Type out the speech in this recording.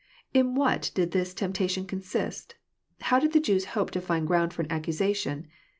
] In what did this temp tation consist ? How did the Jews hope to find ground for an accusation